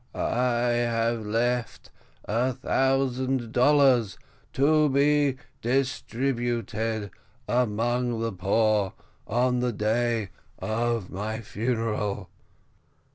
"I have left a thousand dollars to be distributed among the poor on the day of my funeral."